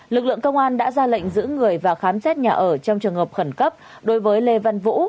lực lượng công an đã ra lệnh giữ người và khám xét nhà ở trong trường hợp khẩn cấp đối với lê văn vũ